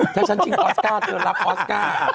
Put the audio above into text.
ถ้าฉันจริงออสการ์เธอรับออสการ์